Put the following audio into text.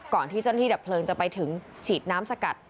ที่เจ้าหน้าที่ดับเพลิงจะไปถึงฉีดน้ำสกัด